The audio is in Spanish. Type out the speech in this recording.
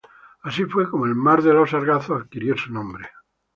Así fue como el mar de los Sargazos adquirió su nombre.